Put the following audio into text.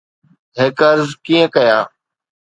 hackers ڪيئن ڪيا